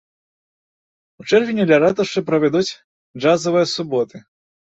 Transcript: У чэрвені ля ратушы правядуць джазавыя суботы.